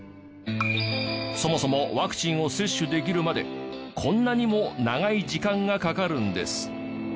そもそもワクチンを接種できるまでこんなにも長い時間がかかるんです。